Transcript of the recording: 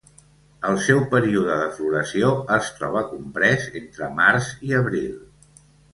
El seu període de floració es troba comprès entre març i abril.